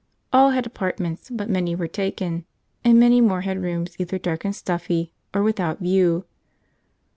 All had apartments, but many were taken, and many more had rooms either dark and stuffy or without view.